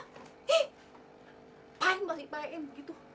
hih pahen balik pahen gitu